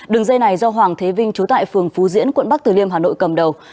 đường dây này do hoàng thế vinh trú tại phường phú diễn quận bắc từ liêm hà nội cầm đầu